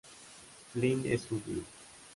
Flynn es judío.